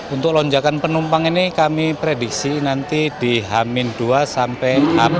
untuk lonjakan penumpang ini kami prediksi nanti di h dua sampai h dua